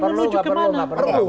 enggak perlu enggak perlu